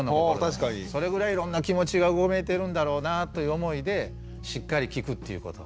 それぐらいいろんな気持ちがうごめいてるんだろうなという思いでしっかり聴くっていうこと。